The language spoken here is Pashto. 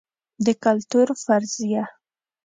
د کلتور فرضیه